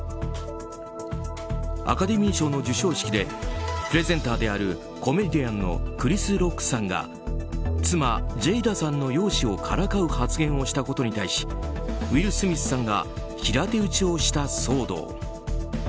アカデミー賞の授賞式でプレゼンターであるコメディアンのクリス・ロックさんが妻ジェイダさんの容姿をからかう発言をしたことに対しウィル・スミスさんが平手打ちをした騒動。